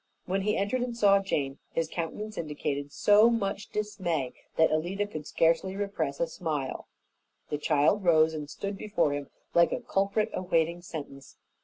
When he entered and saw Jane, his countenance indicated so much dismay that Alida could scarcely repress a smile. The child rose and stood before him like a culprit awaiting sentence.